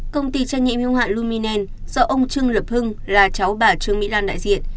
công ty trách nhiệm hưu hạn luminen do ông trương lập hưng là cháu bà trương mỹ lan đại diện